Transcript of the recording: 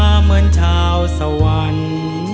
เหมือนชาวสวรรค์